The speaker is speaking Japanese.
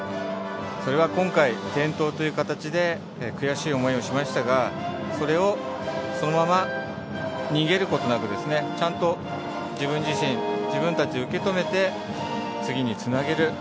それは今回、転倒という形で悔しい思いをしましたがそれを、そのまま逃げることなくちゃんと自分自身自分たちで受け止めて次につなげる。